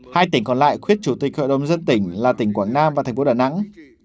hai tỉnh còn lại quyết chủ tịch hội đồng dân tỉnh là tỉnh quảng nam và thành phố đà nẵng